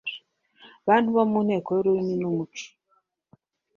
Bantu bo mu Nteko y'ururimi n'umuco.